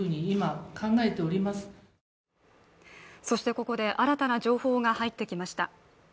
ここで新たな情報が入ってきました。